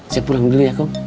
saya pulang dulu ya kok